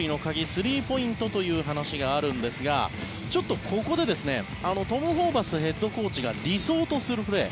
スリーポイントという話があるんですがちょっとここでトム・ホーバスヘッドコーチが理想とするプレー